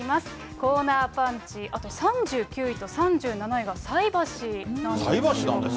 コーナーパンチ、あと３９位と３７位が菜箸なんですよ。